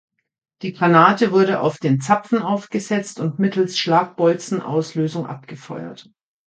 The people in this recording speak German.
Die Granate wurde auf den Zapfen aufsetzt und mittels Schlagbolzenauslösung abgefeuert.